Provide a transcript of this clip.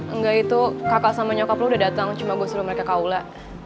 enggak itu kakak sama nyokap lo udah datang cuma gue suruh mereka kaula